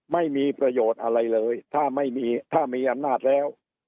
ไม่มีประโยชน์อะไรเลยถ้าไม่มีถ้ามีอำนาจแล้ว